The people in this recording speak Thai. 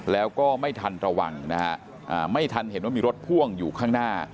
แล้วก็ไม่ทันระวังนะฮะไม่ทันเห็นว่ามีรถพ่วงอยู่ข้างหน้า